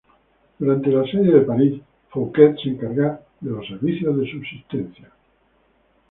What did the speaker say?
Durante el asedio de París, Fouquet se encarga de los servicios de subsistencia.